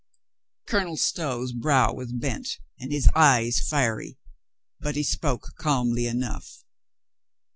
Colonel Stow's brow was bent, and his eyes fiery, but he spoke calmly enough.